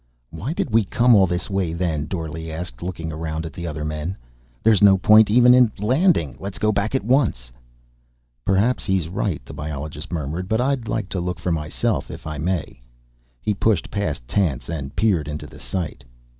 "Why did we come all this way, then?" Dorle asked, looking around at the other men. "There's no point even in landing. Let's go back at once." "Perhaps he's right," the biologist murmured. "But I'd like to look for myself, if I may." He pushed past Tance and peered into the sight.